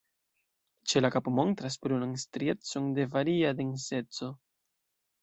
Ĉe la kapo montras brunan striecon de varia denseco.